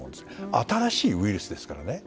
新しいウイルスですからね。